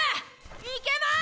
・いけます！